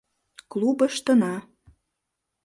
Клубыштына.